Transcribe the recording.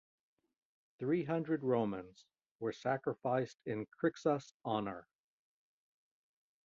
Three hundred Romans were sacrificed in Crixus' honor.